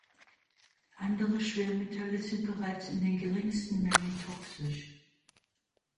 Andere Schwermetalle sind bereits in den geringsten Mengen toxisch.